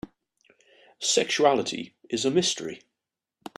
Sexuality is a mystery.